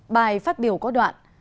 bài phát biểu có đoạn